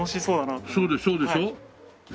そうでしょ？